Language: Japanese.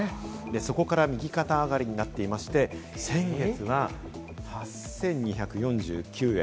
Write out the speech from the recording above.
そこから右肩上がりになっていまして、先月が８２４９円。